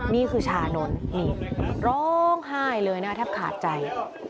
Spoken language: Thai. นี่คือชานนท์นี่ร้องไห้เลยนะแทบขาดใจ